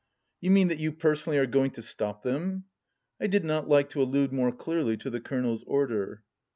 " You mean, that you personally are going to stop them ?" I did not like to allude more clearly to the colonel's order.